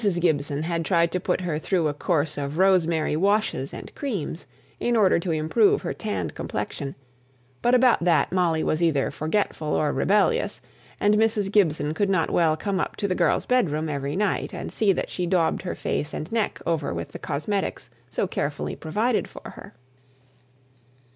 Gibson had tried to put her through a course of rosemary washes and creams in order to improve her tanned complexion; but about that Molly was either forgetful or rebellious, and Mrs. Gibson could not well come up to the girl's bedroom every night and see that she daubed her face and neck over with the cosmetics so carefully provided for her.